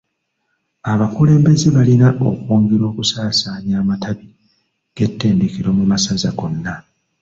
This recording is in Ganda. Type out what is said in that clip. Abakulembeze balina okwongera okusaasaanya amatabi g’ettendekero mu masaza gonna.